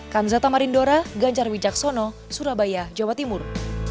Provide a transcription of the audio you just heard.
kanzata marindora gancar wijaksono surabaya jawa timur